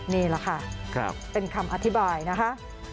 นี่แหละค่ะเป็นคำอธิบายนะคะ